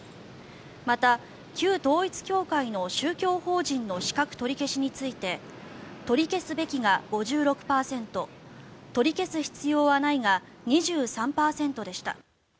また、旧統一教会の宗教法人の資格取り消しについて取り消すべきが５６％取り消す必要はないが２３％でした。